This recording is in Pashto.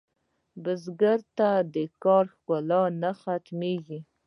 بزګر ته د کار ښکلا نه ختمېږي